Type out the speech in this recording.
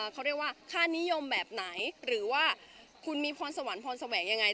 เขาเรียกว่าค่านิยมแบบไหนหรือว่าคุณมีพรสวรรค์พรแสวงยังไง